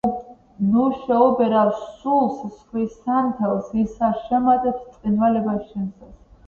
ნუ შეუბერავ სულს სხვის სანთელს, ის არ შემატებს ბრწყინვალებას შენსას.